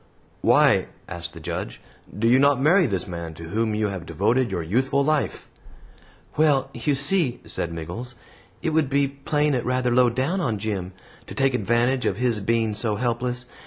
"Why," asked the Judge, "do you not marry this man to whom you have devoted your youthful life?" "Well, you see," said Miggles, "it would be playing it rather low down on Jim, to take advantage of his being so helpless.